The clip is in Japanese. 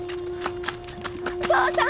お父さん！？